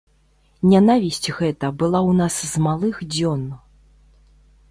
Нянавісць гэта была ў нас з малых дзён.